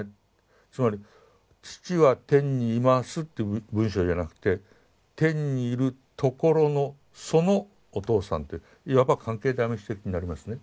つまり「父は天にいます」って文章じゃなくて「天にいるところのそのお父さん」っていわば関係代名詞的になりますね。